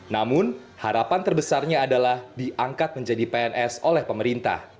namun harapan terbesarnya adalah diangkat menjadi pns oleh pemerintah